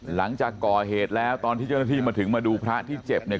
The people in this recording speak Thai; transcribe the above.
หลังจากก่อเหตุแล้วตอนที่เจ้าหน้าที่มาถึงมาดูพระที่เจ็บเนี่ย